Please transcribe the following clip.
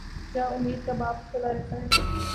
جہاں امید کا باب کھلا رہتا ہے۔